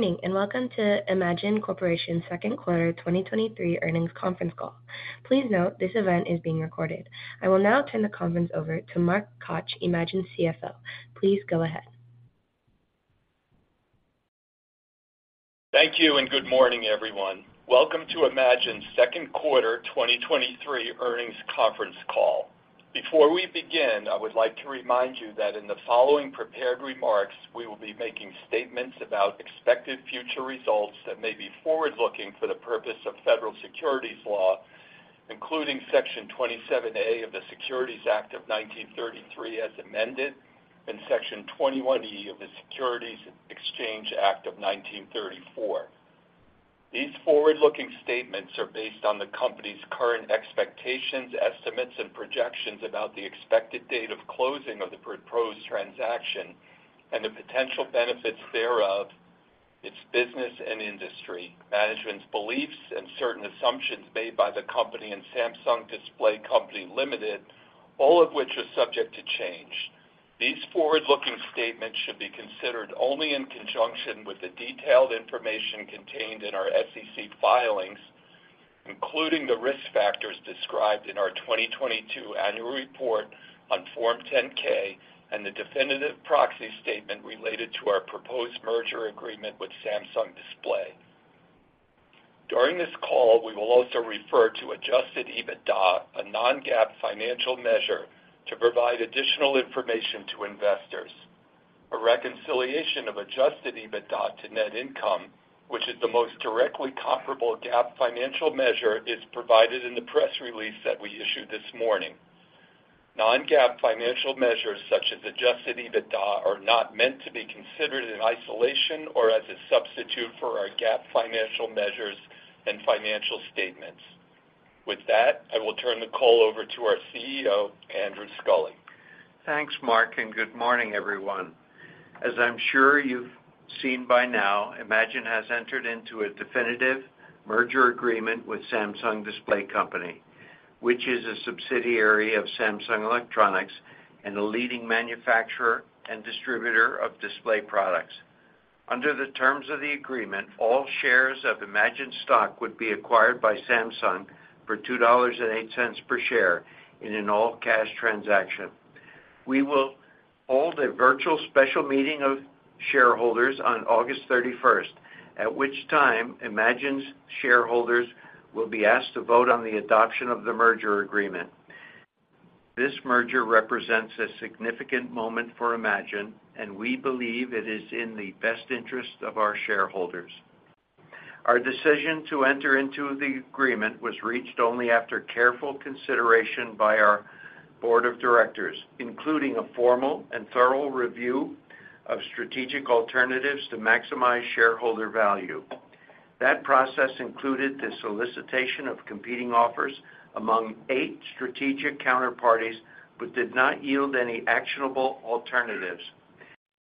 Good morning, welcome to eMagin Corporation's second quarter 2023 earnings conference call. Please note, this event is being recorded. I will now turn the conference over to Mark Koch, eMagin's CFO. Please go ahead. Thank you, and good morning, everyone. Welcome to eMagin's second quarter 2023 earnings conference call. Before we begin, I would like to remind you that in the following prepared remarks, we will be making statements about expected future results that may be forward-looking for the purpose of federal securities law, including Section 27A of the Securities Act of 1933, as amended, and Section 21E of the Securities Exchange Act of 1934. These forward-looking statements are based on the company's current expectations, estimates and projections about the expected date of closing of the proposed transaction and the potential benefits thereof, its business and industry, management's beliefs, and certain assumptions made by the company and Samsung Display Co., Ltd., all of which are subject to change. These forward-looking statements should be considered only in conjunction with the detailed information contained in our SEC filings, including the risk factors described in our 2022 annual report on Form 10-K and the definitive proxy statement related to our proposed merger agreement with Samsung Display. During this call, we will also refer to Adjusted EBITDA, a non-GAAP financial measure, to provide additional information to investors. A reconciliation of Adjusted EBITDA to net income, which is the most directly comparable GAAP financial measure, is provided in the press release that we issued this morning. Non-GAAP financial measures, such as Adjusted EBITDA, are not meant to be considered in isolation or as a substitute for our GAAP financial measures and financial statements. With that, I will turn the call over to our CEO, Andrew Sculley. Thanks, Mark. Good morning, everyone. As I'm sure you've seen by now, eMagin has entered into a definitive merger agreement with Samsung Display Company, which is a subsidiary of Samsung Electronics and a leading manufacturer and distributor of display products. Under the terms of the agreement, all shares of eMagin stock would be acquired by Samsung for $2.08 per share in an all-cash transaction. We will hold a virtual special meeting of shareholders on August 31st, at which time eMagin's shareholders will be asked to vote on the adoption of the merger agreement. This merger represents a significant moment for eMagin. We believe it is in the best interest of our shareholders. Our decision to enter into the agreement was reached only after careful consideration by our board of directors, including a formal and thorough review of strategic alternatives to maximize shareholder value. That process included the solicitation of competing offers among eight strategic counterparties, but did not yield any actionable alternatives.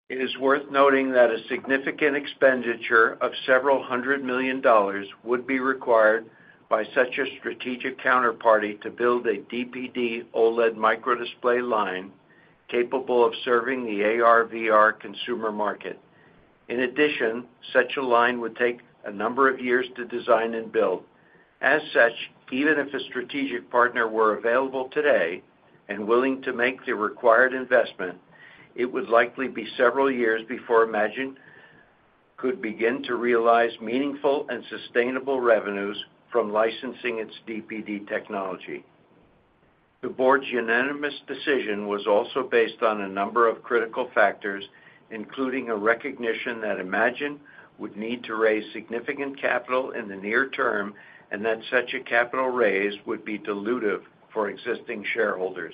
It is worth noting that a significant expenditure of several hundred million dollars would be required by such a strategic counterparty to build a DPD OLED microdisplay line capable of serving the AR/VR consumer market. In addition, such a line would take a number of years to design and build. As such, even if a strategic partner were available today and willing to make the required investment, it would likely be several years before eMagin could begin to realize meaningful and sustainable revenues from licensing its DPD technology. The board's unanimous decision was also based on a number of critical factors, including a recognition that eMagin would need to raise significant capital in the near term and that such a capital raise would be dilutive for existing shareholders.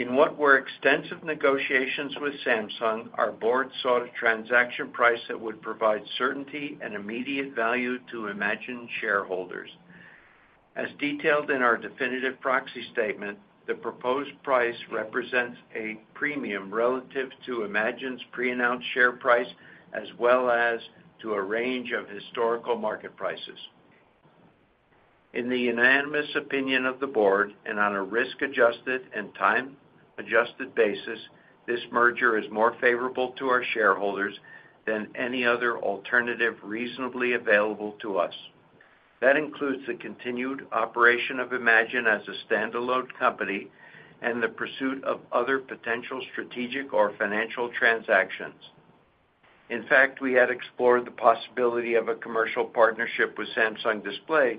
In what were extensive negotiations with Samsung, our board sought a transaction price that would provide certainty and immediate value to eMagin shareholders. As detailed in our definitive proxy statement, the proposed price represents a premium relative to eMagin's pre-announced share price, as well as to a range of historical market prices. In the unanimous opinion of the board, and on a risk-adjusted and time-adjusted basis, this merger is more favorable to our shareholders than any other alternative reasonably available to us. That includes the continued operation of eMagin as a standalone company and the pursuit of other potential strategic or financial transactions. In fact, we had explored the possibility of a commercial partnership with Samsung Display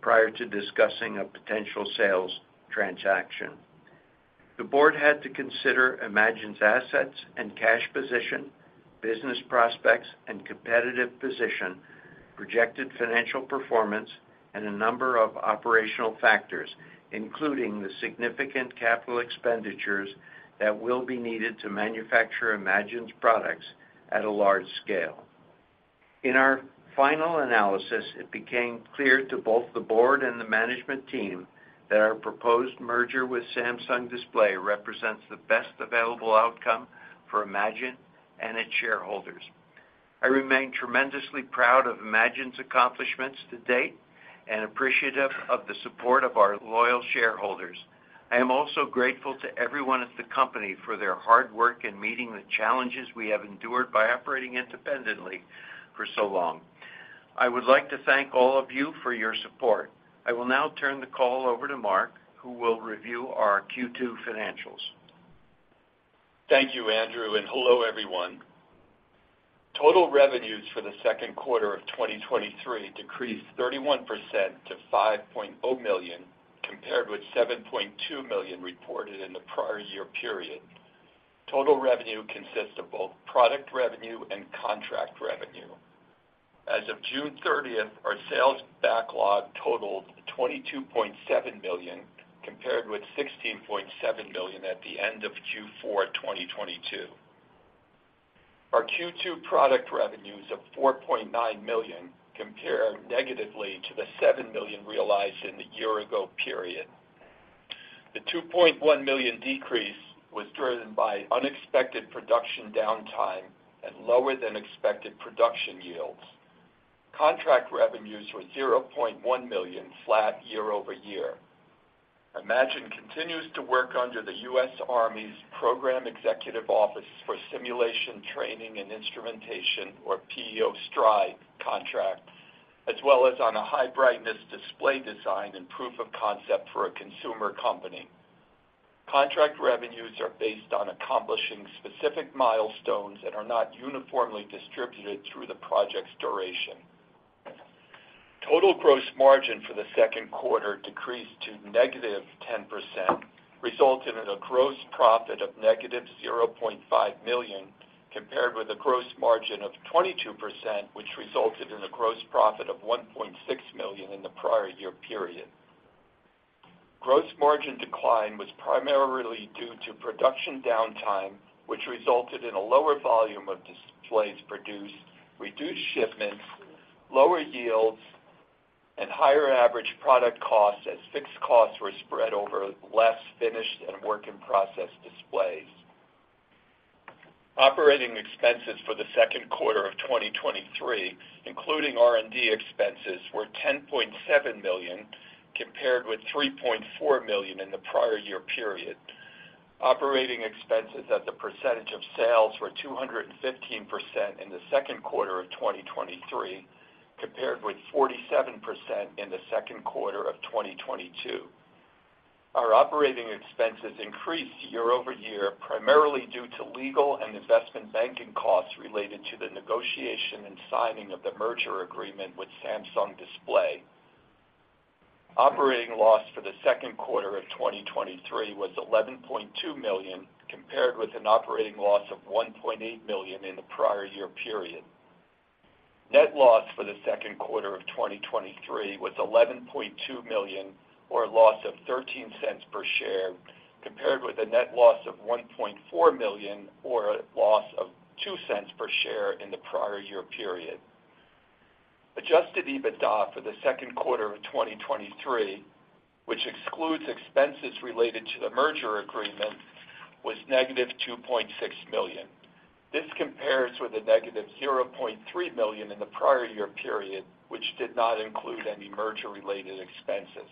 prior to discussing a potential sales transaction. The board had to consider eMagin's assets and cash position, business prospects and competitive position, projected financial performance, and a number of operational factors, including the significant capital expenditures that will be needed to manufacture eMagin's products at a large scale. In our final analysis, it became clear to both the board and the management team that our proposed merger with Samsung Display represents the best available outcome for eMagin and its shareholders. I remain tremendously proud of eMagin's accomplishments to date and appreciative of the support of our loyal shareholders.... I am also grateful to everyone at the company for their hard work in meeting the challenges we have endured by operating independently for so long. I would like to thank all of you for your support. I will now turn the call over to Mark, who will review our Q2 financials. Thank you, Andrew, and hello, everyone. Total revenues for the second quarter of 2023 decreased 31% to $5.0 million, compared with $7.2 million reported in the prior year period. Total revenue consists of both product revenue and contract revenue. As of June 30th, our sales backlog totaled $22.7 million, compared with $16.7 million at the end of Q4 2022. Our Q2 product revenues of $4.9 million compare negatively to the $7 million realized in the year-ago period. The $2.1 million decrease was driven by unexpected production downtime and lower-than-expected production yields. Contract revenues were $0.1 million, flat year-over-year. eMagin continues to work under the U.S. Army's Program Executive Office for Simulation, Training, and Instrumentation, or PEO STRI contract, as well as on a high-brightness display design and proof of concept for a consumer company. Contract revenues are based on accomplishing specific milestones that are not uniformly distributed through the project's duration. Total gross margin for the second quarter decreased to -10%, resulting in a gross profit of -$0.5 million, compared with a gross margin of 22%, which resulted in a gross profit of $1.6 million in the prior year period. Gross margin decline was primarily due to production downtime, which resulted in a lower volume of displays produced, reduced shipments, lower yields, and higher average product costs as fixed costs were spread over less finished and work-in-process displays. Operating expenses for the second quarter of 2023, including R&D expenses, were $10.7 million, compared with $3.4 million in the prior year period. Operating expenses as a percentage of sales were 215% in the second quarter of 2023, compared with 47% in the second quarter of 2022. Our operating expenses increased year-over-year, primarily due to legal and investment banking costs related to the negotiation and signing of the merger agreement with Samsung Display. Operating loss for the second quarter of 2023 was $11.2 million, compared with an operating loss of $1.8 million in the prior year period. Net loss for the second quarter of 2023 was $11.2 million, or a loss of $0.13 per share, compared with a net loss of $1.4 million, or a loss of $0.02 per share in the prior year period. Adjusted EBITDA for the second quarter of 2023, which excludes expenses related to the merger agreement, was negative $2.6 million. This compares with a negative $0.3 million in the prior year period, which did not include any merger-related expenses.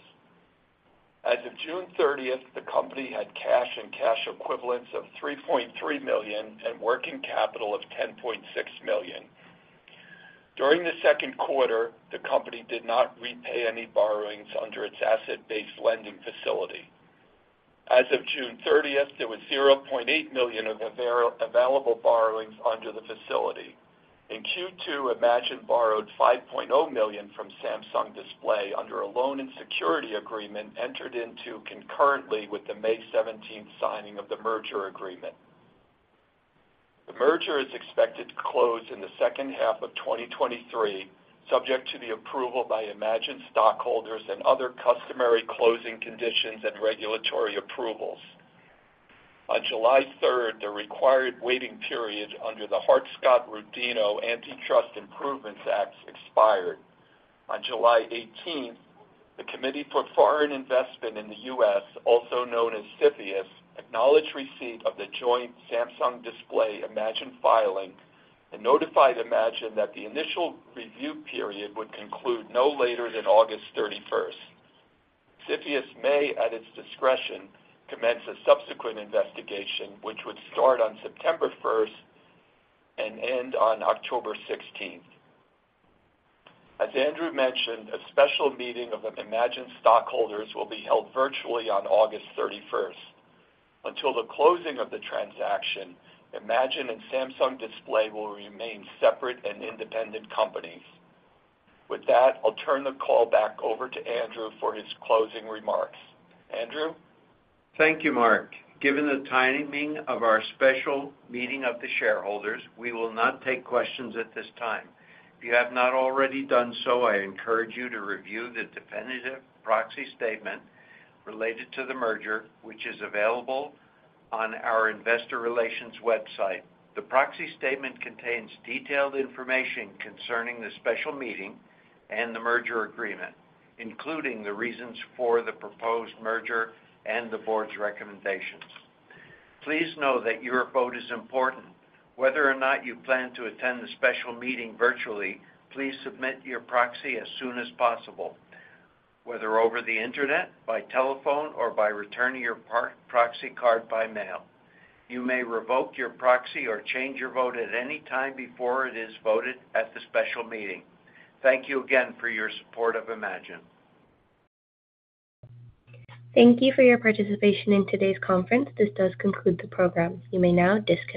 As of June 30th, the company had cash and cash equivalents of $3.3 million and working capital of $10.6 million. During the second quarter, the company did not repay any borrowings under its asset-based lending facility. As of June 30th, there was $0.8 million of available borrowings under the facility. In Q2, eMagin borrowed $5.0 million from Samsung Display under a Loan and Security Agreement entered into concurrently with the May 17th signing of the merger agreement. The merger is expected to close in the second half of 2023, subject to the approval by eMagin stockholders and other customary closing conditions and regulatory approvals. On July 3rd, the required waiting period under the Hart-Scott-Rodino Antitrust Improvements Act expired. On July 18th, the Committee for Foreign Investment in the U.S., also known as CFIUS, acknowledged receipt of the joint Samsung Display eMagin filing and notified eMagin that the initial review period would conclude no later than August 31st. CFIUS may, at its discretion, commence a subsequent investigation, which would start on September 1st and end on October 16th. As Andrew mentioned, a special meeting of eMagin stockholders will be held virtually on August 31st. Until the closing of the transaction, eMagin and Samsung Display will remain separate and independent companies. With that, I'll turn the call back over to Andrew for his closing remarks. Andrew? Thank you, Mark. Given the timing of our special meeting of the shareholders, we will not take questions at this time. If you have not already done so, I encourage you to review the definitive proxy statement related to the merger, which is available on our investor relations website. The proxy statement contains detailed information concerning the special meeting and the merger agreement, including the reasons for the proposed merger and the board's recommendations. Please know that your vote is important. Whether or not you plan to attend the special meeting virtually, please submit your proxy as soon as possible, whether over the internet, by telephone, or by returning your proxy card by mail. You may revoke your proxy or change your vote at any time before it is voted at the special meeting. Thank you again for your support of eMagin. Thank you for your participation in today's conference. This does conclude the program. You may now disconnect.